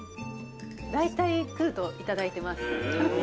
「大体来るといただいてます」